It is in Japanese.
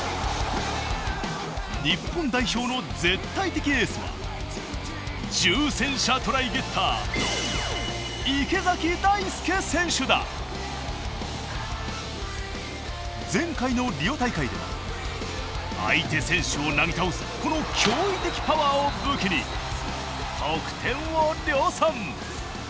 日本代表の絶対的エースは前回のリオ大会では相手選手をなぎ倒すこの驚異的パワーを武器に得点を量産！